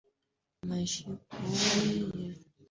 mashariki yamebaki nyuma Siku hizi Uturuki unalenga